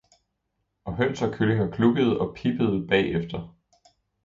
Og høns og kyllinger klukkede og pippede bag efter!